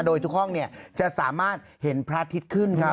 โดยทุกห้องจะสามารถเห็นพระอาทิตย์ขึ้นครับ